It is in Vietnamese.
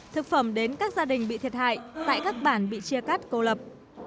thực phẩm đến các gia đình bị thiệt hại tại các bản bị chia cắt cô lập